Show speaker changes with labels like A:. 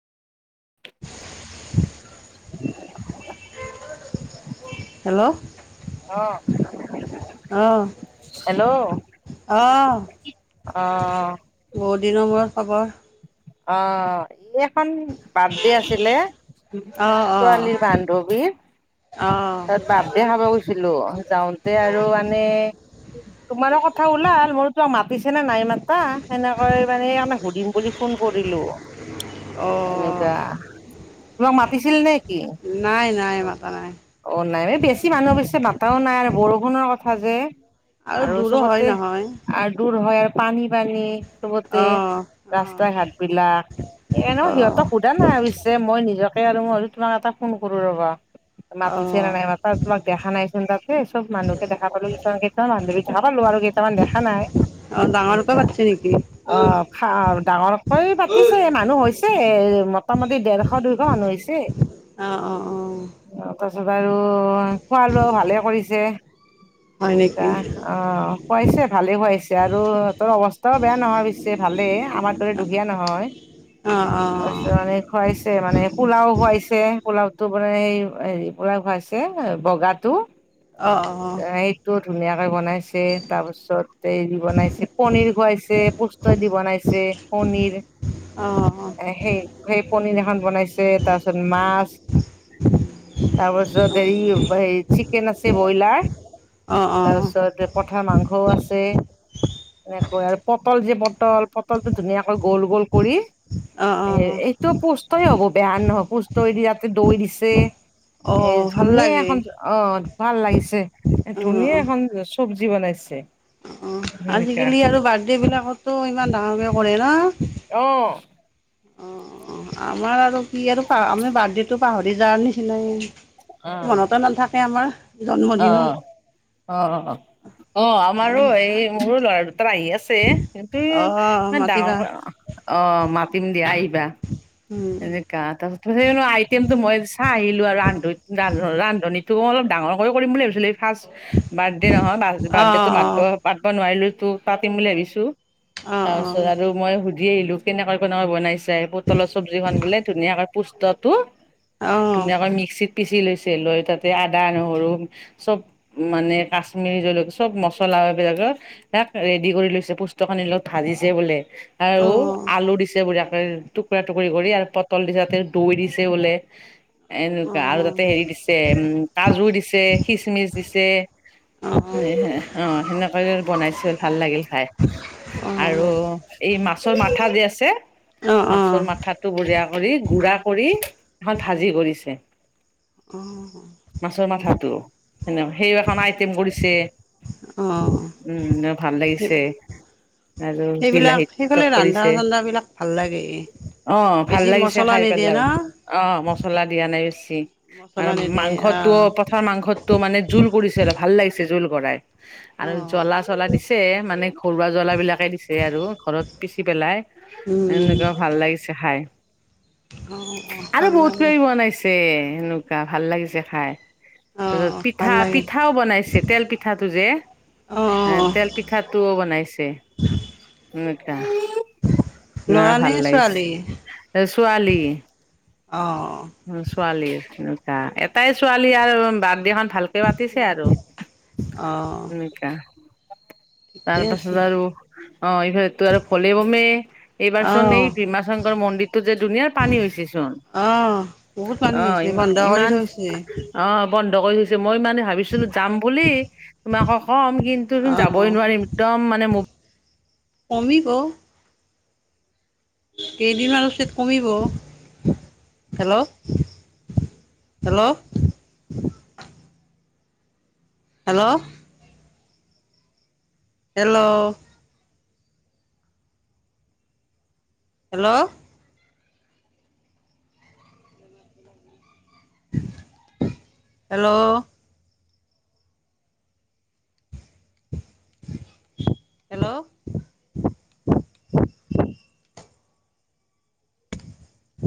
A: [inaudible]
B: Hello!
A: অ'।
B: অঁ
A: hello!
B: অঁ
A: আহ
B: বহুত দিনৰ মূৰত খবৰ
A: অ এখন বাৰ্থডে আছিলে,
B: অঁ অঁ
A: ছোৱালীৰ বান্ধৱীৰ।
B: অঁ।
A: তাত বিৰ্থডে খাব গৈছিলো যাওঁতে আৰু মানে তোমাৰো কথা ওলাল মোৰতো মাতিছে নে নাই মাতা সেনেকৈ মানে তোমাক সুধিম বুলি ফোন কৰিলো।
B: অহ।
A: এনেকা তোমাক মাতিছিল নেকি?
B: নাই, নাই মাতা নাই।
A: অ, নাই এই বেছি মানুহৰ পিছে মাতাওঁ নাই আৰু বৰষুণৰ কথা যে। আৰু
B: দূৰো হয়
A: চবতে
B: নহয়
A: আৰু দূৰ হয় আৰু পানী-পানী। চবতে
B: অঁ অঁ
A: ৰাস্তা-ঘাট বিলাক, এনে
B: অঁ
A: সিহঁতক সোধা নাই অৱশ্যে, মই নিজকে আৰু মই তোমাক এটা ফোন কৰোঁ ৰবা। মাতিছে
B: অঁ
A: না নাই মাতা, তোমাক দেখা নাইচোন তাত? সেই চ'ব মানুহকে দেখা পালোঁ, কিছুমান-কেইামান বান্ধৱীক দেখা পালোঁ আৰু কেইামান দেখা নাই।
B: অ, ডাঙৰকে পাতিছে নেকি?
A: অ খা, ডাঙৰকৈ পাতিছে মানুহ হৈছে, মোটামটি দেৰশ, দুইশ মানুহ হৈছে।
B: অ, অ, অ,
A: চাব আৰু খোৱালোৱা ভালে কৰিছে,
B: হয়
A: এনেকুৱা
B: নেকি
A: অ, খোৱাইছে ভালে খুৱাইছে আৰু সিহঁতৰ অৱস্থাও বেয়া নহয় পিছে ভালেই। আমাৰ দৰে দুখীয়া নহয়,
B: অঁ অঁ
A: তাৰপিছত মান খোৱাইছে মানে, পোলাওঁ খুৱাইছে, পোলাওঁতো মানে স হেৰি পোৰা খুৱাইছে, বগাটো।
B: অ, অ, অ,
A: টো, ধুনীয়াকে বনাইছে তাৰপিছত হেৰি বনাইছে পনিৰ খুৱাইছে, প দি বনাইছে, পনীৰ
B: অঁ অঁ
A: সেই সেই পনিৰ এখন বনাইছে, তাৰ পিছত মাছ। তাৰপাছত এইৰি এই চিকেন আছে ব্ৰইলাৰ,
B: অঁ অঁ
A: তাৰপিছত পথাৰ মাংসও আছে। এনেকৈ আৰু পটল যে, পটল, পটলটো ধুনীয়াকৈ গোল গোল কৰি।
B: অঁ অঁ
A: এ,
B: অঁ
A: এইটো পুষ্টই হ'ব, বেয়া নহয়, পুষ্টইদি তাতে দৈ দিছে। এ,
B: অঁ ভাল
A: ধুনিয়া
B: লাগে
A: এখন অ, ভাল লাগিছে, এ,
B: অঁ অঁ
A: ধুনিয়া এখন চব্জি বনাইছে।
B: অ,
A: সেনেকা
B: আজিকালি আৰু বাৰ্থডে বিলাকতো ইমান ডাঙৰকে কৰে ন?
A: অ,
B: অ, অ, আমাৰ আৰু কি আৰু আমি বাৰ্থডে টো পাহৰি যোৱাৰ নিচিনা। সেনাই,
A: অ
B: মনতে নাথাকে আমাৰ।
A: অ,
B: জন্মদিনৰ
A: অ, অ, আমাৰো এই মোৰো ল'ৰা টোৰ আহি আছে, কিন্তু
B: অ',
A: ইমান ডাঙৰ
B: মাতিবা।
A: অ, মাতিম দিয়া আহিবা।
B: উম,
A: এনে তাৰপাছত আইটেমটো মই চাই আহিলোঁ আৰু ৰান্ধ ৰান্ধনীটো অলপ ডাঙৰকৈ কৰিম বুলি ভাবিছিলোঁ। ফাৰ্ষ্ট বাৰ্থডে নহয়, বাৰ্থডে টো
B: অ',
A: পাতিব নোৱাৰিলোঁ, টো পাতিম বুলি ভাবিছোঁ।
B: অ',
A: তাৰ
B: অ',
A: পিছত আৰু মই সুধি আহিলোঁ, কেনেকুৱা কেনেকা বনাইচে? চব্জি বোলে, ধুনিয়া পুষ্টটো
B: অ', অ',
A: ধুনীয়াকৈ মেক্সিত পিচি লৈছে লৈ, তাতে আদা- নহৰু চব, মানে কাশ্মীৰী জলকীয়া চব, এই মচলাবিলাকৰ। তাক ৰেডি কৰি লৈছে, পুষ্টিকৰ লগত ভাজিছে বোলে।
B: অ', অ',
A: আৰু
B: অ',
A: আলু দিছে, বুঢিয়াকে তোক টুকুৰা-টুকুৰি কৰি আৰু পটল দিছে তাতে দৈ দিছে বোলে। এনেকুৱা আৰু তাতে হেৰি দিছে উম, কাজু দিছে, খিচমিচ দিছে।
B: অ',
A: অ, সেনেকৈ বনাইছিল, ভাল লাগিল খাই। আৰু এই মাছৰ মাথা যে আছে
B: অ।
A: মাছৰ মাথাটো বঢ়িয়া কৰি গুড়া কৰি এখন ভাজি কৰিছে।
B: অ।
A: মাছৰ মাথাটো, সেনে সেই ৰকম আইটেম কৰিছে।
B: অ।
A: উম না ভাল
B: সেই
A: লাগিছে। আৰু বিলাহী
B: সেইবিলাক
A: টক
B: সেইফালে
A: কৰিছে
B: ৰান্ধা-চান্ধা বিলাক ভাল লাগেই।
A: অ, ভাল লাগিছে খাই পেলাই। অ, মচলা দিয়া নাই বেছি।
B: মছলা
A: আৰু
B: নিদিয়ে
A: মাংসটো
B: অ',
A: পথাৰ মাংসটো মানে জোল কৰিছিলে, ভাল লাগিছে জোল কৰাই। আৰু
B: অ',
A: জ্বলা-চলা দিছে মানে ঘৰুৱা জ্বলা বিলাকে দিছে আৰু, ঘৰত পিচি পেলাই।
B: উম,
A: এনেকুৱা ভাল লাগিছে খাই।
B: অ অ, ভাল লাগে।
A: তে সেনেকুৱা ভাল লাগিছে খাই। ত'পিত
B: অ', ভাল লাগে।
A: পিঠা-পিঠাও বনাইছে তেল পিঠাটো যে। এ তেল
B: অ'
A: পিঠাটোও বনাইছে। [unintelligible]
B: ল'ৰা নে
A: ভাল লাগিছে,
B: ছোৱালী?
A: এই ছোৱালী।
B: অ'
A: ছোৱালীৰ এনেকা, এটাই ছোৱালী আৰু বাৰ্থডে খন ভালকে পাতিছে আৰু,
B: অ'
A: তেনেকা। তাৰ
B: ঠিকে আছে।
A: পাছত আৰু অ এইফালতো আৰু ভলে বমে এইবাৰ চোন এই
B: অ'
A: ভীমা শংকৰ মন্দিৰটো যে দুুনীয়াৰ পানী হৈছে চোন।
B: অ' বহুত পানী
A: অ
B: হৈছে বন্ধ কৰি
A: ইমা-ইমান,
B: থৈছে।
A: অ বন্ধ কৰি থৈছে মই মানে ভাবি ছিলো যাম বুলি, তোমাকো কম কিন্তু যাবই
B: অ'
A: নোৱাৰিম একদম মানে
B: কমিব। কেইদিনমান পিচত কমিব। Hello. Hello. Hello. Hello. Hello. Hello. Hello.